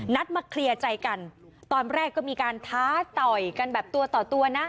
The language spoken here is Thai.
นัดมาเคลียร์ใจกันตอนแรกก็มีการท้าต่อยกันแบบตัวต่อตัวนะ